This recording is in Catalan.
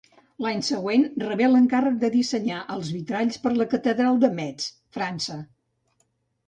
L'any següent rebé l'encàrrec de dissenyar els vitralls per la catedral de Metz, França.